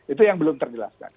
itu yang belum terjelaskan